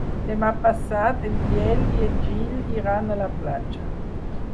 Demà passat en Biel i en Gil iran a la platja.